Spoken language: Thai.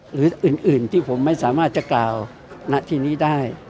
หรืออื่นที่ผมไม่สามารถจะกล่าวณที่นี้ได้